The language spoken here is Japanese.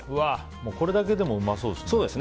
これだけでもうまそうですね。